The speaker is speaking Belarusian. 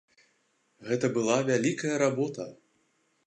Гэта была вялікая работа.